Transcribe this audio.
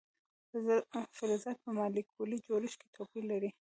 فلزات په مالیکولي جوړښت کې توپیر لري.